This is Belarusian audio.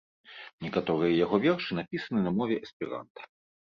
Некаторыя яго вершы напісаны на мове эсперанта.